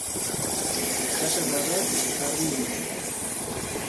Està casada amb Harry Meacher.